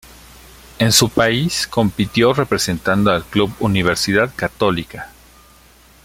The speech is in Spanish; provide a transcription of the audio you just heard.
En su país compitió representando al club Universidad Católica.